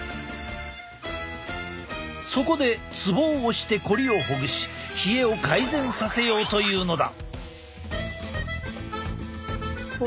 そこでツボを押して凝りをほぐし冷えを改善させようというのだ。